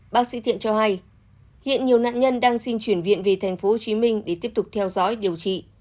bác sĩ thiện cho hay hiện nhiều nạn nhân đang xin chuyển viện về tp hcm để tiếp tục theo dõi điều trị